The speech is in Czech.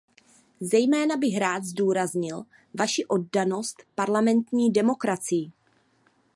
Zejména bych rád zdůraznil vaši oddanost parlamentní demokracii.